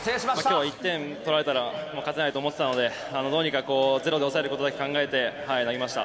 きょうは１点取られたら勝てないと思ってたので、どうにか０で抑えることだけ考えて投げました。